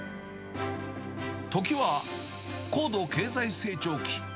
時は高度経済成長期。